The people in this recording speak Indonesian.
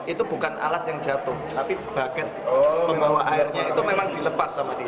itu bukan alat yang jatuh tapi buket pembawa airnya itu memang dilepas sama dia